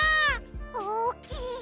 おおきい！